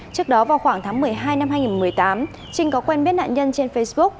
trước đó vào khoảng tháng một mươi hai năm hai nghìn một mươi tám trinh có quen biết nạn nhân trên facebook